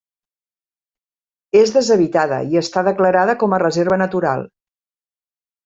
És deshabitada i està declarada com a reserva natural.